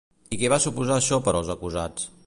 I què va suposar això per als acusats?